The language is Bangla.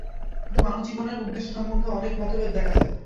কিন্তু মানবজীবনের উদ্দেশ্য সম্বন্ধে অনেক মতভেদ দেখা যায়।